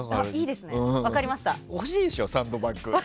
欲しいでしょ、サンドバッグ。